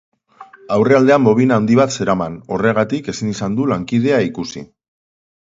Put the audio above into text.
Aurrealdean bobina handi bat zeraman, horregatik ezin izan du lankidea ikusi.